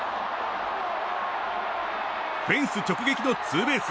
フェンス直撃のツーベース。